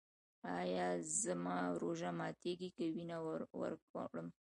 ایا زما روژه ماتیږي که وینه ورکړم؟